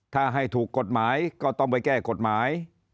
ถ้าให้ถูกกฎหมายก็ต้องไปแก้กฎหมาย